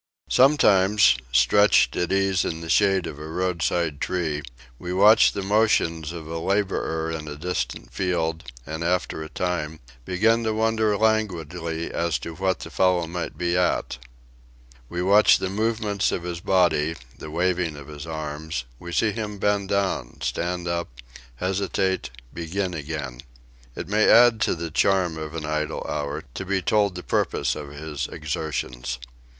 Sometimes, stretched at ease in the shade of a roadside tree, we watch the motions of a labourer in a distant field, and after a time, begin to wonder languidly as to what the fellow may be at. We watch the movements of his body, the waving of his arms, we see him bend down, stand up, hesitate, begin again. It may add to the charm of an idle hour to be told the purpose of his exertions.